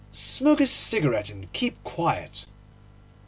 Smoke a cigarette, and keep quiet.